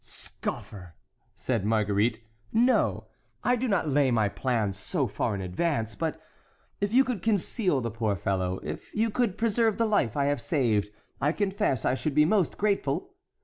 "Scoffer!" said Marguerite, "no! I do not lay my plans so far in advance; but if you could conceal the poor fellow,—if you could preserve the life I have saved,—I confess I should be most grateful.